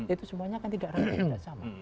itu semuanya kan tidak rata rata sama